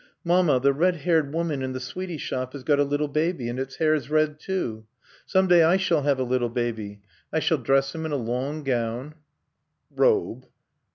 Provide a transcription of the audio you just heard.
"Mamma, the red haired woman in the sweetie shop has got a little baby, and its hair's red, too.... Some day I shall have a little baby. I shall dress him in a long gown " "Robe."